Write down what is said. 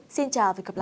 xin chào và hẹn gặp lại